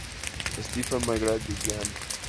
Stephanie McGrath de Jam!